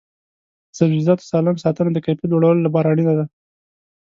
د سبزیجاتو سالم ساتنه د کیفیت لوړولو لپاره اړینه ده.